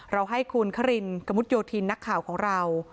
ให้คุณครินกระมุดโยธินนักข่าวของเรา